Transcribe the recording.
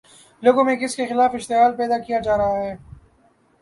لوگوں میں کس کے خلاف اشتعال پیدا کیا جا رہا ہے؟